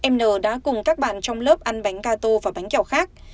mn đã cùng các bạn trong lớp ăn bánh gà tô và bánh kẹo khác